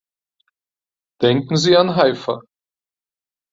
Denken Sie an Haifa!